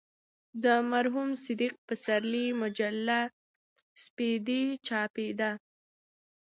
د مرحوم صدیق پسرلي مجله "سپېدې" چاپېده.